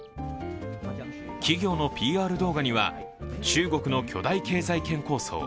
企業のＰＲ動画には中国の巨大経済圏構想